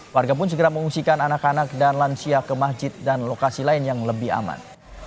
warga pun segera mengungsikan anak anak dan lansia ke masjid dan lokasi lain yang lebih aman